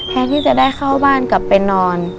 แทนที่จะได้เข้าบ้านกลับไปนอน